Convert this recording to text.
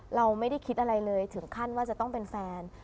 เราไม่ได้คิดอะไรเลยถึงขั้นว่าจะต้องเป็นแฟน